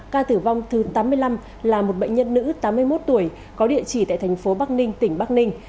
ca tử vong thứ tám mươi năm là một bệnh nhân nữ tám mươi một tuổi có địa chỉ tại thành phố bắc ninh tỉnh bắc ninh